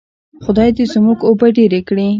خدای دې زموږ اوبه ډیرې کړي.